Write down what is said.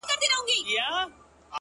o سیاه پوسي ده ـ ورځ نه ده شپه ده ـ